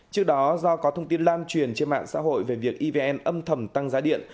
trước đó do có thông tin lan truyền trên mạng xã hội về việc evn âm thầm tăng giá điện